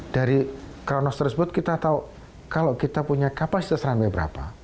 dari kronos tersebut kita tahu kalau kita punya kapasitas runway berapa